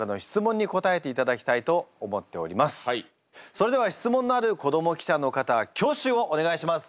それでは質問のある子ども記者の方は挙手をお願いします。